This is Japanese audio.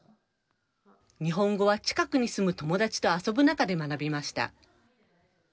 日本語は近くに住む友達と遊ぶ中で学びました。